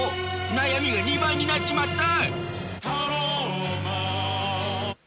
悩みが２倍になっちまった！